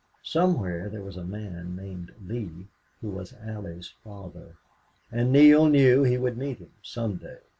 Somewhere there was a man named Lee who was Allie's father, and Neale knew he would meet him some day.